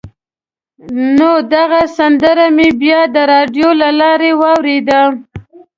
نو دغه سندره مې بیا د راډیو له لارې واورېده.